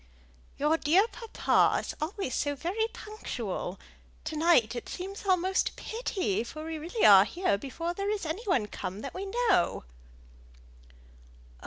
"Your dear papa is always so very punctual! To night it seems almost a pity, for we really are here before there is any one come that we know."